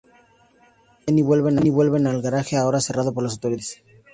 Él y Benny vuelven al garaje, ahora cerrado por las autoridades locales.